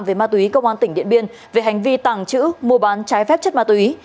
về ma túy công an tp diện biên về hành vi tàng chữ mua bán trái phép chất ma túy